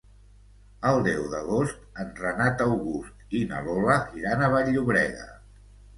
El deu d'agost en Renat August i na Lola iran a Vall-llobrega.